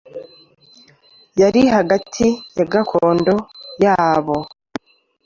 yari hagati ya gakondo ya bo